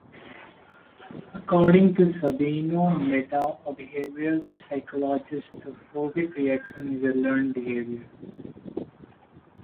According to Sabino Metta, a behavioral psychologist, the phobic reaction is a learned behavior.